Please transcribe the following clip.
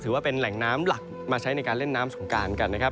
ถือว่าเป็นแหล่งน้ำหลักมาใช้ในการเล่นน้ำสงการกันนะครับ